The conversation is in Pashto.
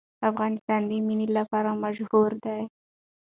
افغانستان د منی لپاره مشهور دی.